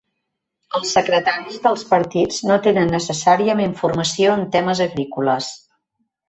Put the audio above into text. Els secretaris dels partits no tenen necessàriament formació en temes agrícoles.